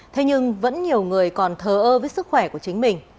thế nhưng vẫn nhiều người còn thờ ơ với sức khỏe của chính mình